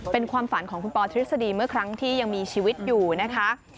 เป็นความฝันของคุณปอทฤษฎีเมื่อครั้งที่ยังมีชีวิตอยู่นะคะ